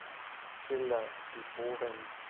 Schiller, geboren.